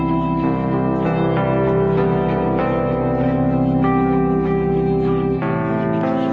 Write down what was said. เราฝากแล้วมันชอบหนออ้าว